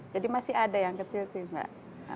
jadi masih ada yang kecil sih mbak